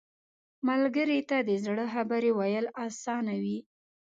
ملګری ته د زړه خبرې ویل اسانه وي